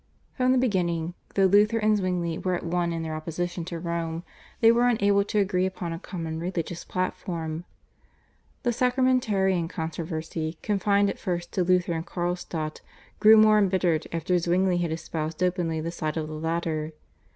From the beginning, though Luther and Zwingli were at one in their opposition to Rome, they were unable to agree upon a common religious platform. The Sacramentarian controversy, confined at first to Luther and Carlstadt, grew more embittered after Zwingli had espoused openly the side of the latter.